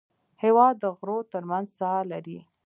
هېواد د غرو تر منځ ساه لري.